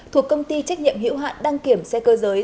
thuộc công ty trách nhiệm hữu hạn đăng kiểm xe cơ giới